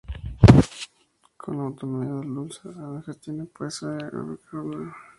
Con la autonomía andaluza, la gestión del puente pasó a la Junta de Andalucía.